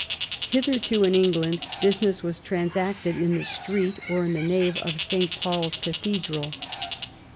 Hitherto in England business was transacted in the street, or in the nave of St. Paul's Cathedral.